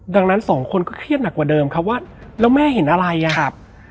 ดังนั้นสองคนก็เครียดหนักกว่าเดิมครับว่าแล้วแม่เห็นอะไรอ่ะครับ